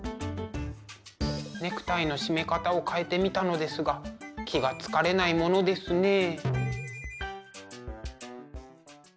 ネクタイの締め方を変えてみたのですが気が付かれないものですねえ。